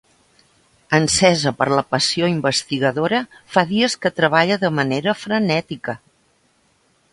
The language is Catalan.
Encesa per la passió investigadora, fa dies que treballa de manera frenètica.